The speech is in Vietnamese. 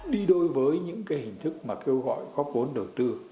đi đối với những hình thức mà kêu gọi góp vốn đầu tư